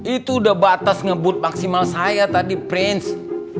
itu udah batas ngebut maksimal saya tadi prince